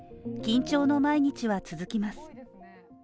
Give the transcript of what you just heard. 緊張の毎日は続きます。